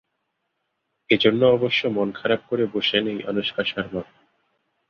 এ জন্য অবশ্য মন খারাপ করে বসে নেই আনুশকা শর্মা।